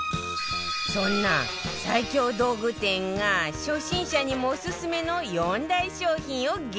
そんな最強道具店が初心者にもオススメの４大商品を厳選